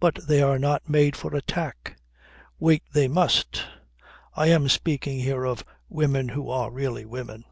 But they are not made for attack. Wait they must. I am speaking here of women who are really women.